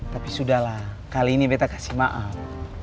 tapi sudah lah kali ini beta kasih maaf